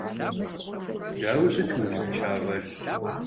Daue şıt vui vuzınşşağer?